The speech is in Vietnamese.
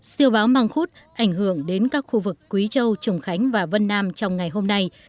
siêu báo mang khúc ảnh hưởng đến các khu vực quý châu trùng khánh và vân nam trong ngày hôm nay